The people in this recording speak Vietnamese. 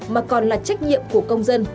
mà còn là trách nhiệm của công dân